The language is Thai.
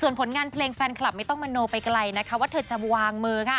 ส่วนผลงานเพลงแฟนคลับไม่ต้องมโนไปไกลนะคะว่าเธอจะวางมือค่ะ